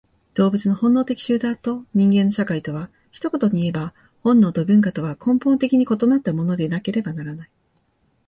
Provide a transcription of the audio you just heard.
動物の本能的集団と人間の社会とは、一言にいえば本能と文化とは根本的に異なったものでなければならない。